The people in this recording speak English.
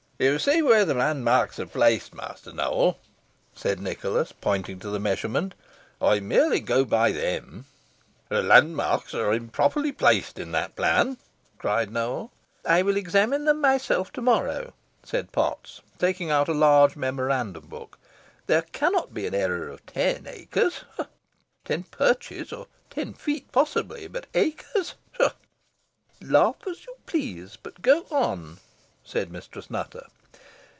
"You see where the landmarks are placed, Master Nowell," said Nicholas, pointing to the measurement. "I merely go by them." "The landmarks are improperly placed in that plan," cried Nowell. "I will examine them myself to morrow," said Potts, taking out a large memorandum hook; "there cannot be an error of ten acres ten perches or ten feet, possibly, but acres pshaw!" "Laugh as you please; but go on," said Mrs. Nutter.